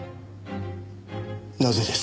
なぜです？